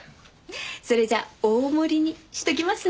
それじゃあ大盛りにしておきますね。